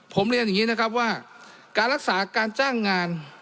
ผมเรียนอย่างนี้นะครับว่าการรักษาการจ้างงาน